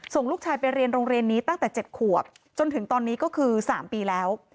ส่งลูกชายไปเรียนโรงเรียนนี้ตั้งแต่๗ขวบจนถึงตอนนี้ก็คือ๓ปีแล้ว